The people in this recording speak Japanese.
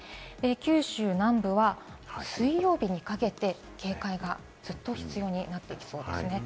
九州南部は水曜日にかけて、警戒がずっと必要になってきそうです。